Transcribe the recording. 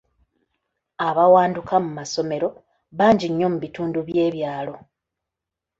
Abawanduka mu masomero bangi nnyo mu bitundu by'ebyalo.